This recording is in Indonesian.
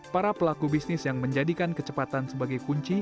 para pelaku bisnis yang menjadikan kecepatan sebagai kunci